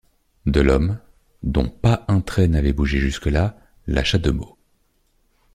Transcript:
Delhomme, dont pas un trait n’avait bougé jusque-là, lâcha deux mots.